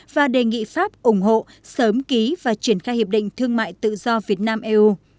và đề nghị pháp ủng hộ sớm ký và triển khai hiệp định thương mại tự do việt nam eu